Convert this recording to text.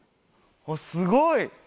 すごい！